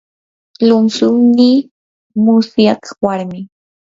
llumtsuynii musyaq warmin.